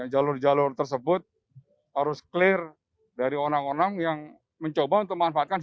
jalur jalur tersebut harus clear dari orang orang yang mencoba untuk memanfaatkan